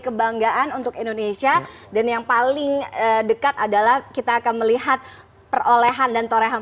kebanggaan untuk indonesia dan yang paling dekat adalah kita akan melihat perolehan dan torehan